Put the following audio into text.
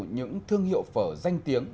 những thương hiệu phở danh tiếng